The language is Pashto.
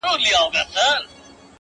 په تا هيـــــڅ خــــبر نـــه يــــم.